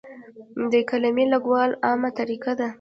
د قلمې لګول عامه طریقه ده.